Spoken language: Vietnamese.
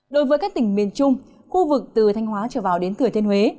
đối với các tỉnh miền trung khu vực từ thanh hóa trở vào đến thừa thiên huế